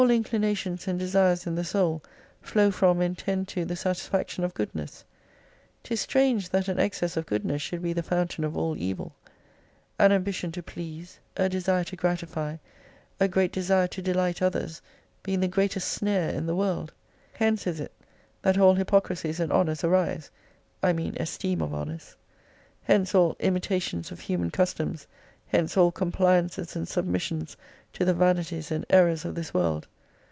For all inclinations and desires in the soul flow from and tend to the satisfac tion of goodness. 'Tis strange that an excess of good ness should be the fountain of all evil. An ambition to please, a desire to gratify, a great desire to delight others being the greatest snare in the world. Hence is it that all hypocrisies and honours arise, I mean esteem of honours. Hence all imitations of human customs, hence all compliances and submissions to the vanities and errors of this world.